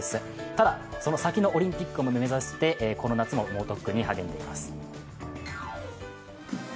ただ、その先のオリンピックも目指してこの夏も猛特訓に励んでいます。